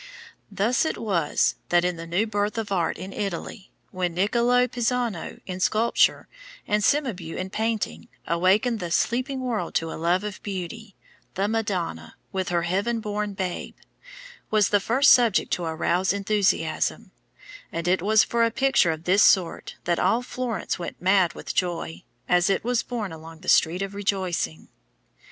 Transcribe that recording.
Thus it was that in the new birth of art in Italy, when Niccolò Pisano in sculpture, and Cimabue in painting, awakened the sleeping world to a love of beauty, the Madonna, with her heaven born Babe, was the first subject to arouse enthusiasm; and it was for a picture of this sort that all Florence went mad with joy, as it was borne along The Street of Rejoicing.